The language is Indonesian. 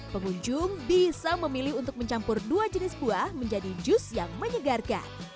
pengunjung bisa memilih untuk mencampur dua jenis buah menjadi jus yang menyegarkan